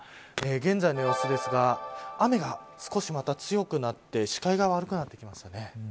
現在の様子ですが雨が少しまた強くなって視界が悪くなってきましたね。